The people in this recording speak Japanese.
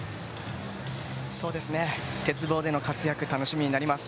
鉄棒の活躍が楽しみになります。